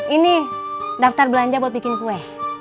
ini daftar belanja buat bikin kue